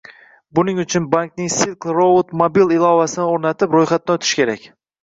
Buning uchun bankning Silk Road Mobile ilovasini o‘rnatib, ro‘yxatdan o‘tish kerak